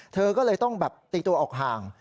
เธอก็เลยต้องแบบตีตัวออกห่าง